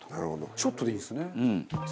ちょっとでいいんですね。